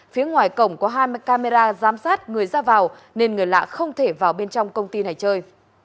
phía ngoài cổng có hai mươi camera giám sát người ra vào nên người lạ không thể vào bên trong công ty này chơi